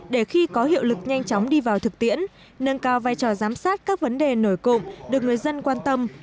để khi có hiệu lực nhanh chóng đi vào thực tiễn nâng cao vai trò giám sát các vấn đề nổi cộng được người dân quan tâm